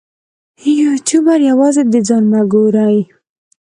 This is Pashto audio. یوټوبر یوازې د ځان مه ګوري.